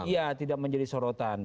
ya tidak menjadi sorotan